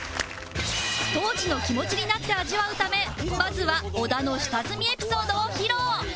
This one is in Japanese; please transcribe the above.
当時の気持ちになって味わうためまずは小田の下積みエピソードを披露